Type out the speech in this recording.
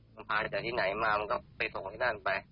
มันพาจากที่ไหนมามันก็ไปส่งที่นั่นไป